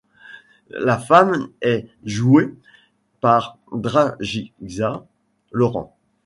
La femme est jouée par Draghixa Laurent.